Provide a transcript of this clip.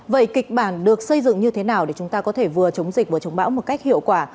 vậy kịch bản được xây dựng như thế nào để chúng ta có thể vừa chống dịch vừa chống bão một cách hiệu quả